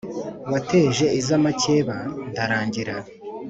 wateje iz’amakeba ndarangira.